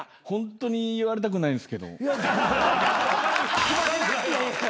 ホントに言われたくないんですけど。